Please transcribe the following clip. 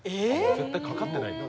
絶対かかってないんだ。